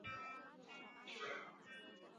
中国共产党第十八届中央委员。